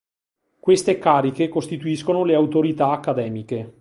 Queste cariche costituiscono le "Autorità accademiche".